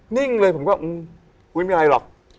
นิ่งเลยผมก็อุ๊ยไม่มีอะไรหรอก